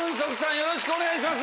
よろしくお願いします。